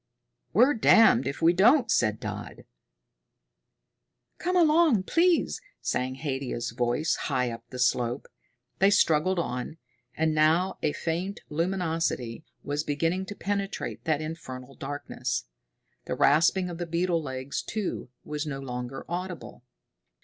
"We're damned if we don't," said Dodd. "Come along please!" sang Haidia's voice high up the slope. They struggled on. And now a faint luminosity was beginning to penetrate that infernal darkness. The rasping of the beetle legs, too, was no longer audible.